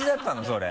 それ。